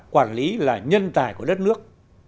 quản lý là nhân tài của đất nước